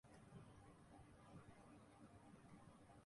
پرند کرنا ہَر جگہ موجودگی اور رنگنا رنگنا